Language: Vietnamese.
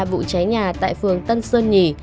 vụ cháy nhà tại phường tân sơn nhì